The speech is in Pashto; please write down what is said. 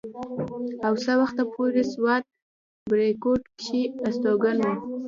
او څه وخته پورې سوات بريکوت کښې استوګن وو